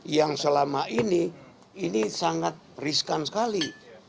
yang selama ini ini sangat riskan sekali